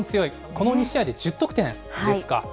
この２試合で１０得点ですか。